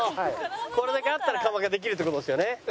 これだけあったら窯ができるって事ですよね。